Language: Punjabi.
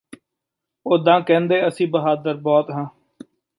ਉਦਾਂ ਕਹਿੰਦੇ ਅਸੀ ਬਹਾਦਰ ਬਹੁਤ ਹਾਂ